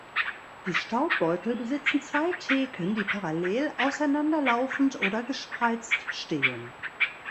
Die Staubbeutel besitzen zwei Theken, die parallel, auseinander laufend oder gespreizt stehen.